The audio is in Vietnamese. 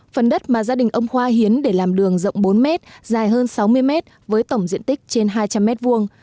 phần đất mà gia đình ông khoa hiến để làm đường rộng bốn mét dài hơn sáu mươi mét với tổng diện tích trên hai trăm linh mét vuông